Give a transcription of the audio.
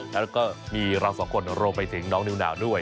แล้วก็มีเราสองคนรวมไปถึงน้องนิวนาวด้วย